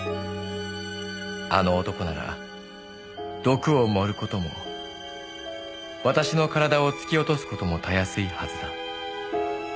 「あの男なら毒を盛ることも私の体を突き落とすことも容易いはずだ」